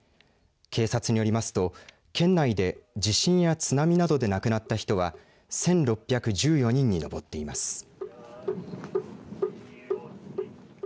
警察によりますと県内で地震や津波などで亡くなった人は１６１４人に上っています。